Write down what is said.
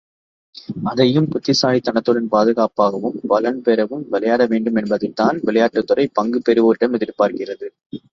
அதையும் புத்திசாலித்தனத்துடன் பாதுகாப்பாகவும் பலம் பெறவும் விளையாட வேண்டும் என்பதைத்தான் விளையாட்டுத்துறை பங்கு பெறுவோரிடம் எதிர்பார்க்கிறது.